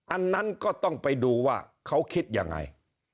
อันนั้นก็ต้องไปดูว่าเขาคิดยังไง